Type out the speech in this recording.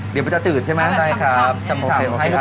เดี๋ยวมันจะจืดใช่ไหมได้ครับโอเคหลุงค้า